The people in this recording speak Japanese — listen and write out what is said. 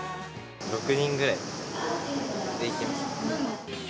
６人ぐらいで行きました。